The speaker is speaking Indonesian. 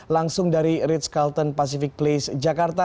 langsung dari ritz carlton pacific place jakarta